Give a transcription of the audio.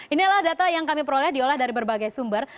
inilah data yang kami peroleh diolah dari berbagai sumber